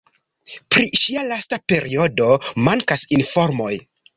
Pri ŝia lasta periodo mankas informoj.